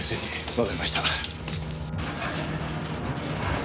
わかりました。